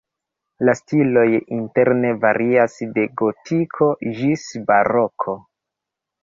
La stiloj interne varias de gotiko ĝis baroko.